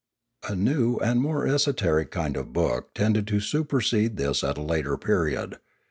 A new and more esoteric kind of book tended to supersede this at a later period.